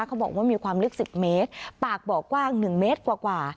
เขาบอกว่ามีความลึก๑๐เมตรปากบ่อกว้าง๑เมตรกว่า